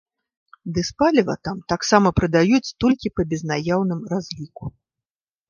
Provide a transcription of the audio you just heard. Дызпаліва там таксама прадаюць толькі па безнаяўным разліку.